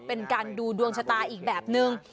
เป็นการดูดวงชะตาอีกแบบนึง